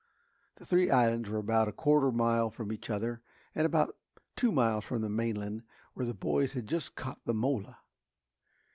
The three islands were about a quarter of a mile from each other and about two miles from the mainland where the boys had just caught the mola.